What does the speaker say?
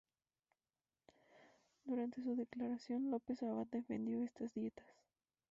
Durante su declaración, López Abad defendió estas dietas.